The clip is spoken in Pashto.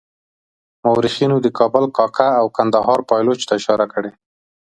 مورخینو د کابل کاکه او کندهار پایلوچ ته اشاره کړې.